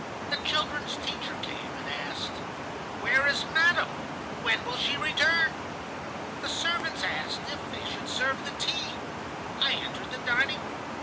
The children's teacher came and asked: 'Where is Madame? When will she return?' "The servants asked if they should serve the tea. I entered the dining room.